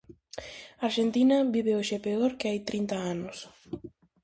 Arxentina vive hoxe peor que hai trinta anos.